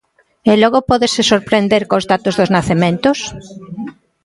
¿E logo pódese sorprender cos datos dos nacementos?